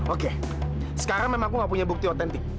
oke sekarang memang aku nggak punya bukti otentik